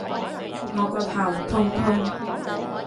我個頭痛痛